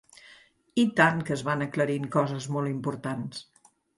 I tant que es van aclarint coses molt importants.